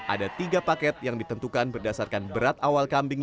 ada tiga paket yang ditentukan berdasarkan berat awal kambing